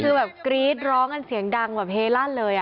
คือแบบกรี๊ดร้องกันเสียงดังแบบเฮลั่นเลย